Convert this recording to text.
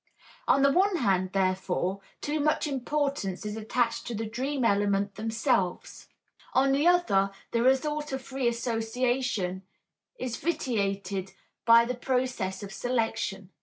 On the one hand, therefore, too much importance is attached to the dream elements themselves; on the other, the result of free association is vitiated by the process of selection.